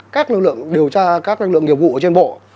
các lực lượng điều tra các lực lượng nghiệp vụ ở trên bộ